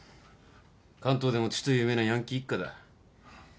関東でもちと有名なヤンキー一家だ。